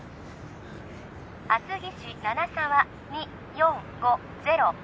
厚木市七沢２４５０